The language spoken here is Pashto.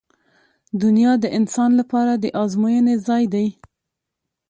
• دنیا د انسان لپاره د ازموینې ځای دی.